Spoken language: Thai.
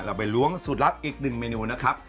เราไปล้วงสุดลักษณ์อีกหนึ่งเมนูนะครับ